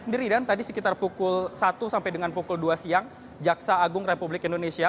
sendiri dan tadi sekitar pukul satu sampai dengan pukul dua siang jaksa agung republik indonesia